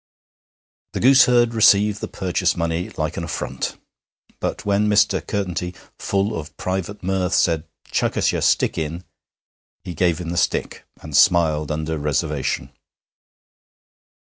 The gooseherd received the purchase money like an affront, but when Mr. Curtenty, full of private mirth, said, 'Chuck us your stick in,' he give him the stick, and smiled under reservation.